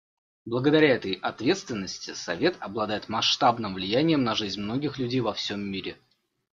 Благодаря этой ответственности Совет обладает масштабным влиянием на жизнь многих людей во всем мире.